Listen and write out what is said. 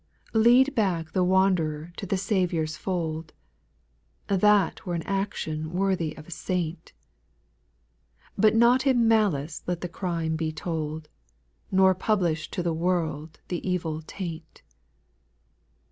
2. Lead back the wanderer to the Saviour's fold; That were an action worthy of a saint ; But not in malice let the crime be told, Nor publish to the world the evil taint 3.